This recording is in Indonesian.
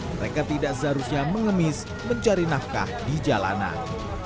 mereka tidak seharusnya mengemis mencari nafkah di jalanan